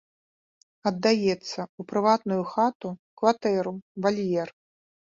Аддаецца ў прыватную хату, кватэру, вальер.